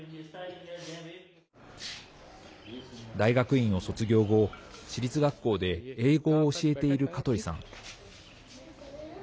大学院を卒業後、私立学校で英語を教えているカトリさん。